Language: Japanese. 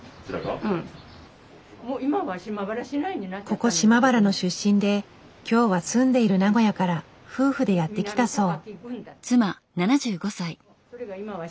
ここ島原の出身で今日は住んでいる名古屋から夫婦でやって来たそう。